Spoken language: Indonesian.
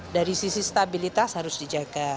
dari sisi stabilitas harus dijaga